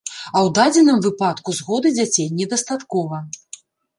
А ў дадзеным выпадку згоды дзяцей недастаткова.